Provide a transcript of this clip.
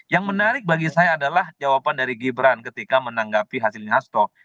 yang menarik bagi saya adalah jawaban dari gibran ketika menanggapi hasilnya hasto